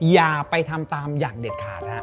อย่าไปทำตามอย่างเด็ดขาดฮะ